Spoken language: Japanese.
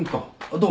どう？